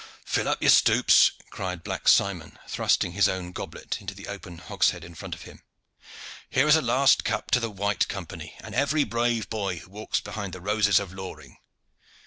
"Fill up your stoups!" cried Black Simon, thrusting his own goblet into the open hogshead in front of him. "Here is a last cup to the White Company, and every brave boy who walks behind the roses of Loring!"